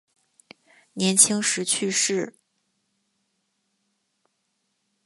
年轻时去世。